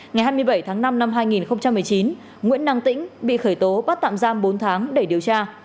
ngày hai mươi bảy tháng năm năm hai nghìn một mươi chín nguyễn năng tĩnh bị khởi tố bắt tạm giam bốn tháng để điều tra